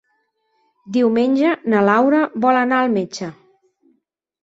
Diumenge na Laura vol anar al metge.